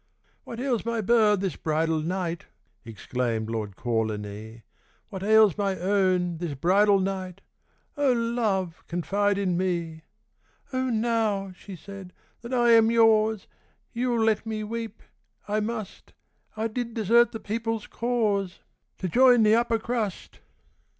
'What ails my bird this bridal night,' Exclaimed Lord Kawlinee; 'What ails my own this bridal night O love, confide in me!' 'Oh now,' she said, 'that I am yaws You'll let me weep I must I did desert the people's cause To join the upper crust.